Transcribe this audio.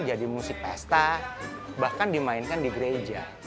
jadi musik pesta bahkan dimainkan di gereja